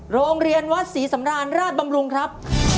โรงเรียนวัดศรีสำราญราชบำรุงครับ